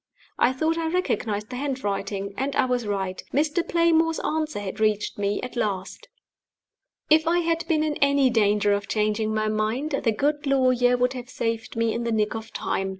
I thought I recognized the handwriting, and I was right. Mr. Playmore's answer had reached me at last! If I had been in any danger of changing my mind, the good lawyer would have saved me in the nick of time.